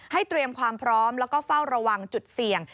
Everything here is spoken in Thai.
เตรียมความพร้อมแล้วก็เฝ้าระวังจุดเสี่ยง